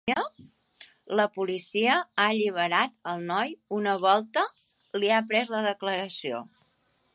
La policia ha alliberat el noi una volta li ha pres declaració.